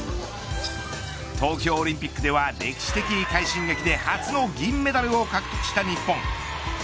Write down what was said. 東京オリンピックでは歴史的快進撃で初の銀メダルを獲得した日本。